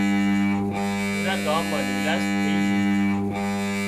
پُورا ڳام مان نيلاش ٿئي جھئي